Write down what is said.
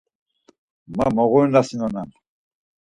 Man moğurinasinonan!